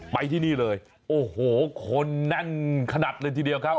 ไปที่นี่เลยโอ้โหคนแน่นขนาดเลยทีเดียวครับ